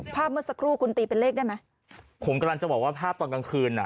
ผมกำลังจะบอกว่าภาพตอนกลางคืน